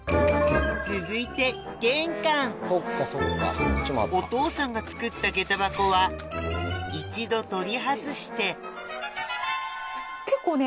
続いてお父さんが作ったげた箱は一度取り外してここね。